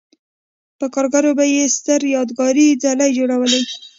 په کارګرو به یې ستر یادګاري څلي جوړول.